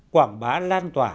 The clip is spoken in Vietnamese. quảng bá lan tỏa